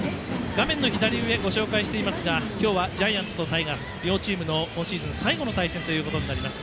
画面の左上ご紹介していますが今日は、ジャイアンツタイガース両チームの今シーズン最後の対戦ということになります。